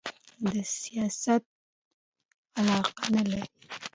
د سیاست علاقه نه لري